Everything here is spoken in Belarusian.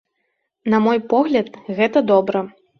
На мой погляд, гэта добра.